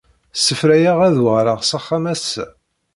Ssefrayeɣ ad uɣaleɣ s axxam ass-a.